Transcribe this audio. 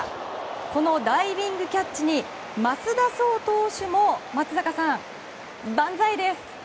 このダイビングキャッチに増田壮投手も松坂さん、万歳です。